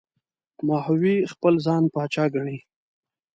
ماهوی خپل ځان پاچا ګڼي.